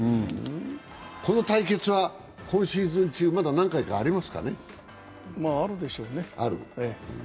この対決は今シーズン中まだ何回かあるでしょうね。